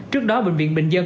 trước đó bệnh viện bình dân